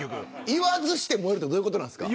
言わずして燃えるってどういうことですか。